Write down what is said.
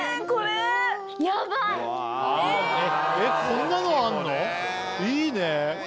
こんなのあるの？いいね。